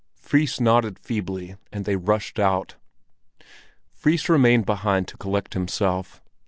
Fris nodded feebly, and they rushed out. Fris remained behind to collect himself.